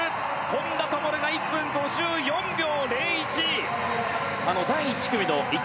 本多灯が１分５４秒０１。